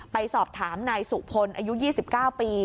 ไปสอบถามนายสุพลอายุ๒๙ปี